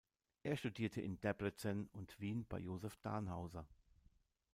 Er studierte in Debrecen und Wien bei Josef Danhauser.